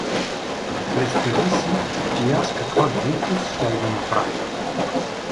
Представи си, и аз каква глупост щях да направя.